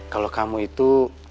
kalau kamu itu